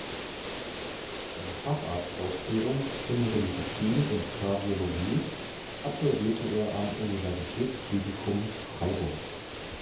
Seine Facharztausbildung „Innere Medizin und Kardiologie“ absolvierte er am Universitätsklinikum Freiburg.